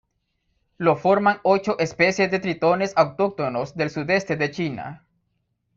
Lo forman ocho especies de tritones autóctonos del sudeste de China.